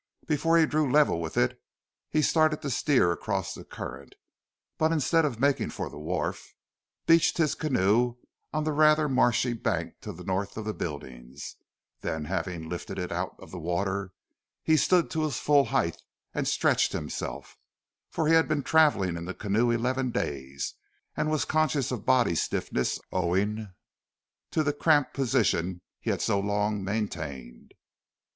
Before he drew level with it, he started to steer across the current, but instead of making for the wharf, beached his canoe on the rather marshy bank to the north of the buildings; then having lifted it out of the water, he stood to his full height and stretched himself, for he had been travelling in the canoe eleven days and was conscious of body stiffness owing to the cramped position he had so long maintained.